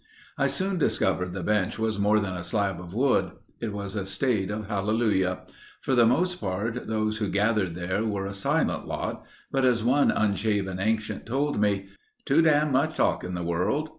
I soon discovered the bench was more than a slab of wood. It was a state of Hallelujah. For the most part those who gathered there were a silent lot, but as one unshaven ancient told me, "Too damned much talk in the world.